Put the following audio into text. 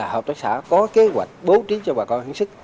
hợp tác xã có kế hoạch bố trí cho bà con hiến sức